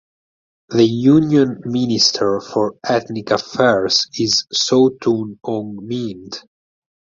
The Union Minister for Ethnic Affairs is Saw Tun Aung Myint.